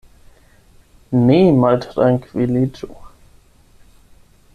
Ne maltrankviliĝu.